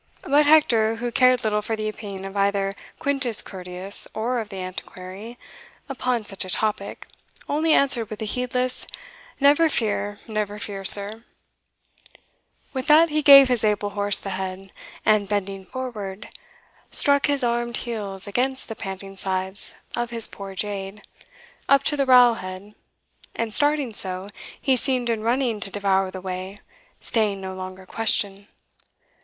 But Hector, who cared little for the opinion of either Quintus Curtius or of the Antiquary, upon such a topic, only answered with a heedless "Never fear never fear, sir." With that he gave his able horse the head, And, bending forward, struck his armed heels Against the panting sides of his poor jade, Up to the rowel head; and starting so, He seemed in running to devour the way, Staying no longer question.